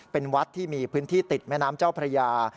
เป็นวัดที่มีพื้นที่ติดแม่น้ำเจ้าพระยา